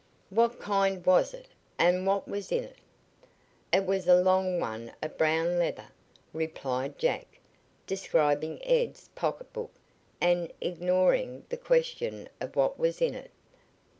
What kind was it, and what was in it?" "It was a long one of brown leather," replied Jack, describing Ed's pocketbook and ignoring the question of what was in it.